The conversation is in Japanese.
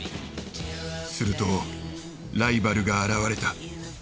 するとライバルが現れた。